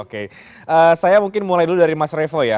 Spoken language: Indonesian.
oke saya mungkin mulai dulu dari mas revo ya